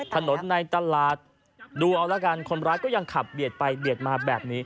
ถนนในตลาดดูเอาละกันคนร้ายก็ยังขับเบียดไปเบียดมาแบบนี้